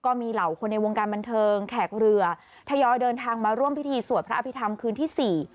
เหล่าคนในวงการบันเทิงแขกเรือทยอยเดินทางมาร่วมพิธีสวดพระอภิษฐรรมคืนที่สี่